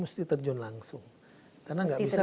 mesti terjun langsung karena nggak bisa